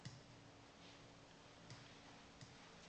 ګاندي د نه همکارۍ تحریک پیل کړ.